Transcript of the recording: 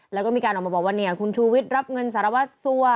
แล้วก็มีการออกมาบอกว่าเนี่ยคุณชูวิทย์รับเงินสารวัตรสัว